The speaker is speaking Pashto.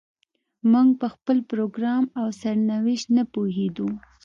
موږ په خپل پروګرام او سرنوشت نه پوهېدو.